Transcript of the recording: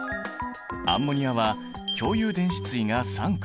アンモニアは共有電子対が３組。